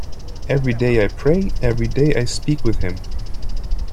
Every day I pray; every day I speak with Him.